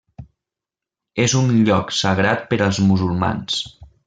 És un lloc sagrat per als musulmans.